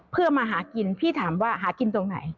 เพื่อมาหากินพี่ถามว่าหากินตรงไหน